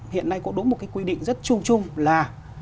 hiện nay có đúng một cái quy định rất chung chung là